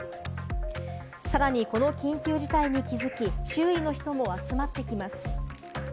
さらにこの緊急事態に気付き、周囲の人も集まってきます。